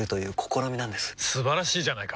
素晴らしいじゃないか！